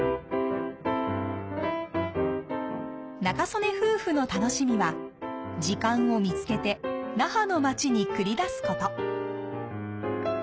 仲宗根夫婦の楽しみは時間を見つけて那覇の町に繰り出す事。